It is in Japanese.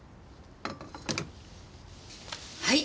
はい。